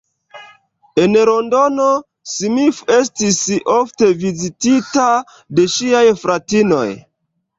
En Londono, Smith estis ofte vizitita de ŝiaj fratinoj.